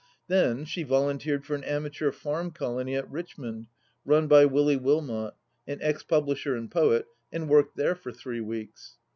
Then she volunteered for an amateur farm colony at Richmond, run by Willie Wilmot — an ex publisher and poet — ^and worked there for three weeks.